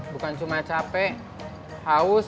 bukan cuma capek haus